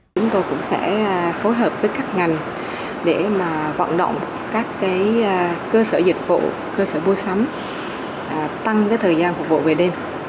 chúng tôi cũng sẽ phối hợp với các ngành để vận động các cơ sở dịch vụ cơ sở mua sắm tăng thời gian phục vụ về đêm